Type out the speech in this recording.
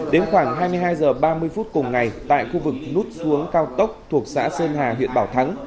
đến khoảng hai mươi hai h ba mươi phút cùng ngày tại khu vực nút xuống cao tốc thuộc xã sơn hà huyện bảo thắng